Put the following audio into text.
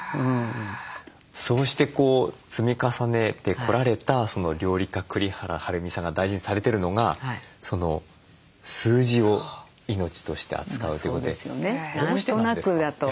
そうして積み重ねてこられた料理家栗原はるみさんが大事にされてるのが数字を命として扱うということで。